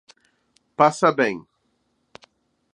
Passabém